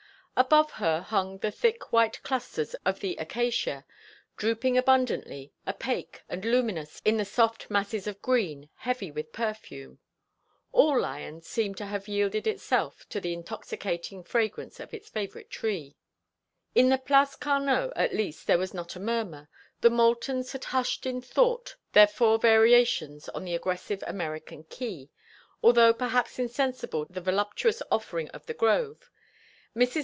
Above her hung the thick white clusters of the acacia, drooping abundantly, opaque and luminous in the soft masses of green, heavy with perfume. All Lyons seemed to have yielded itself to the intoxicating fragrance of its favorite tree. Footnote 1: The acacia of Europe is identical with the American locust. In the Place Carnot, at least, there was not a murmur. The Moultons had hushed in thought their four variations on the aggressive American key, although perhaps insensible to the voluptuous offering of the grove. Mrs.